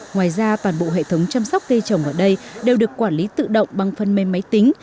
ngoài ra toàn bộ hệ thống chăm sóc cây trồng ở đây đều được quản lý tự động bằng phần mềm máy tính